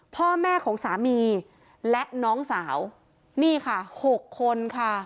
พ่อแม่ของสามีและน้องสาวนี่ค่ะ๖คนค่ะ